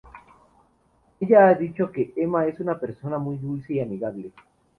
Ella ha dicho que "Emma es una persona muy dulce y amigable.